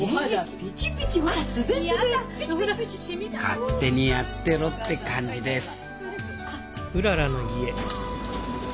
「勝手にやってろ」って感じです